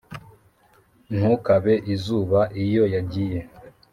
ntukabe izuba iyo yagiye